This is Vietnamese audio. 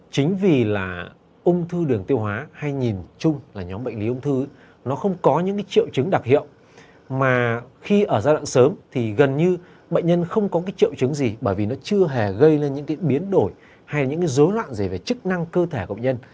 chính vì là ung thư đường tiêu hóa hay nhìn chung là nhóm bệnh lý ung thư nó không có những triệu chứng đặc hiệu mà khi ở giai đoạn sớm thì gần như bệnh nhân không có cái triệu chứng gì bởi vì nó chưa hề gây ra những cái biến đổi hay những cái dối loạn gì về chức năng cơ thể cộng nhân